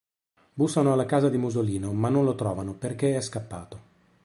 Bussano alla casa di Musolino, ma non lo trovano, perché è scappato.